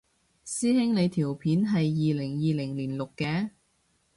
師兄你條片係二零二零年錄嘅？